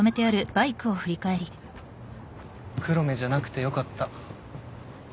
黒目じゃなくてよかった